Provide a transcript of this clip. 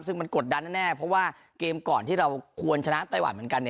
ซึ่งมันกดดันแน่เพราะว่าเกมก่อนที่เราควรชนะ